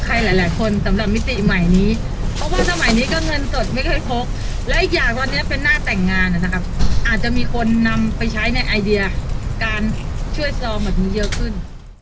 ไม่เคยพกและอีกอย่างตอนเนี้ยเป็นหน้าแต่งงานอ่ะนะครับอาจจะมีคนนำไปใช้ในไอเดียการช่วยซองแบบนี้เยอะขึ้น